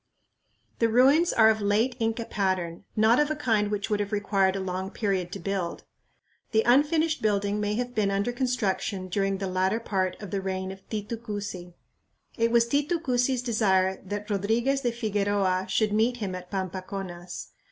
The ruins are of late Inca pattern, not of a kind which would have required a long period to build. The unfinished building may have been under construction during the latter part of the reign of Titu Cusi. It was Titu Cusi's desire that Rodriguez de Figueroa should meet him at Pampaconas.